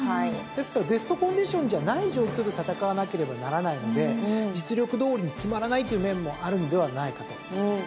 ですからベストコンディションじゃない状況で戦わなければならないので実力どおりに決まらないって面もあるのではないかと。